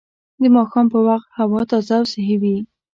د ماښام په وخت هوا تازه او صحي وي